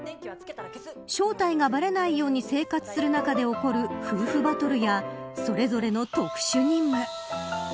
正体がばれないように生活する中で起こる夫婦バトルやそれぞれの特殊任務。